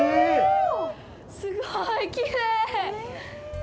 すごい、きれい！